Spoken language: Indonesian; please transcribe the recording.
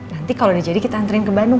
nanti kalau udah jadi kita antrian ke bandung